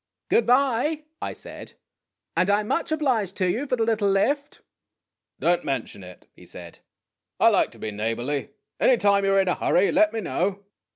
'"Good by," I said; "and I 'm much obliged to you for the little lift." " Don't mention it," he said. " I like to be neighborly. Any time you 're in a hurry, let me know."